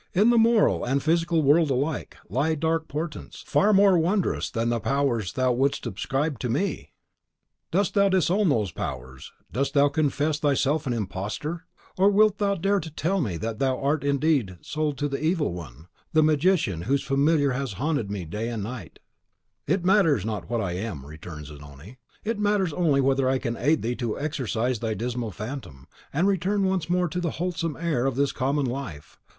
In the moral and the physical world alike, lie dark portents, far more wondrous than the powers thou wouldst ascribe to me!" "Dost thou disown those powers; dost thou confess thyself an imposter? or wilt thou dare to tell me that thou art indeed sold to the Evil one, a magician whose familiar has haunted me night and day?" "It matters not what I am," returned Zanoni; "it matters only whether I can aid thee to exorcise thy dismal phantom, and return once more to the wholesome air of this common life.